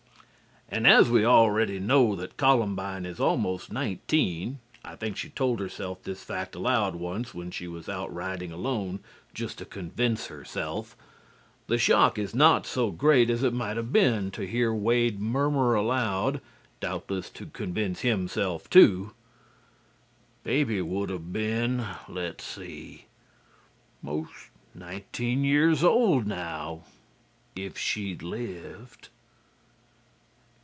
And as we already know that Columbine is almost nineteen (I think she told herself this fact aloud once when she was out riding alone, just to convince herself), the shock is not so great as it might have been to hear Wade murmur aloud (doubtless to convince himself too), "Baby would have been let's see 'most nineteen years old now if she'd lived."